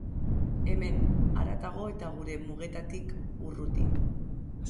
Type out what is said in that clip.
Hemen, haratago eta gure mugetatik urruti.